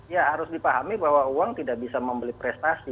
ya harus dipahami bahwa uang tidak bisa membeli prestasi